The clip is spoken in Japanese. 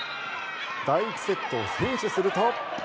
第１セットを先取すると。